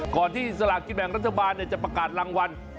ก่อนที่ศาลากิจแม่งรัฐบาลจะประกาศรางวัล